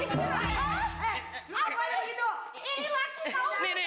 iya bener ya